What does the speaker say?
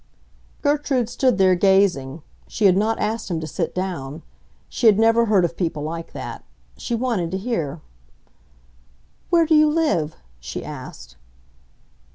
Gertrude stood there gazing; she had not asked him to sit down. She had never heard of people like that; she wanted to hear. "Where do you live?" she asked.